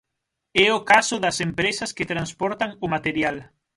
É o caso das empresas que transportan o material.